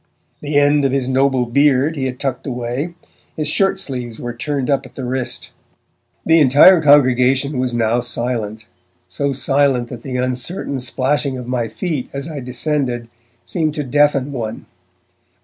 The end of his noble beard he had tucked away; his shirt sleeves were turned up at the wrist. The entire congregation was now silent, so silent that the uncertain splashing of my feet as I descended seemed to deafen one.